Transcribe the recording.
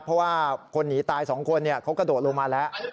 เพราะว่าคนหนีตาย๒คนเขากระโดดลงมาแล้ว